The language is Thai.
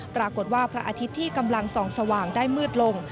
ปรากฏว่าพระอาทิตย์ที่กำลังส่องสว่างได้มืดลง